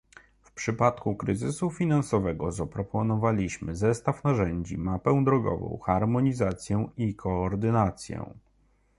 W przypadku kryzysu finansowego zaproponowaliśmy zestaw narzędzi, mapę drogową, harmonizację i koordynację